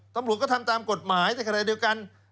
ต้องดูก็ทำกันตามกฎหมายในกระดาษเดียวกัน